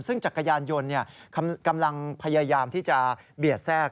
ซึ่งจักรยานยนต์กำลังพยายามที่จะเบียดแทรก